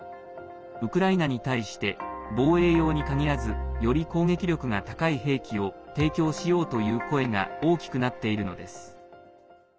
ウクライナに対して防衛用に限らずより攻撃力が高い兵器を提供しようという声が大きくなっているのです。